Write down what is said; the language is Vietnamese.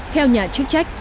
theo nhà chức trách